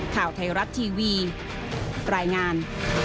ข่าวไทยรัฐทีวีรายงาน